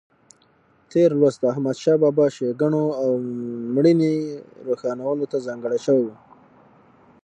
تېر لوست د احمدشاه بابا ښېګڼو او مړینې روښانولو ته ځانګړی شوی و.